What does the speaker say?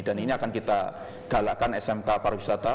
dan ini akan kita galakkan smk pariwisata